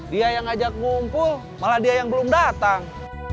dia yang ajak ngumpul malah dia yang belum datang